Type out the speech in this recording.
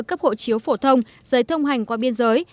cấp hộ chiếu phổ thông giấy thông hành qua biên giới